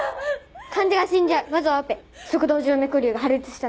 患者が死んじゃうまずはオペ食道静脈瘤が破裂したの。